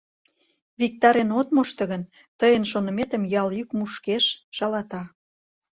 Виктарен от мошто гын, тыйын шоныметым ял йӱк мушкеш, шалата.